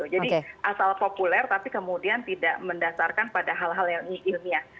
asal populer tapi kemudian tidak mendasarkan pada hal hal yang ilmiah